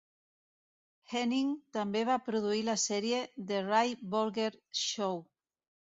Henning també va produir la sèrie "The Ray Bolger Show".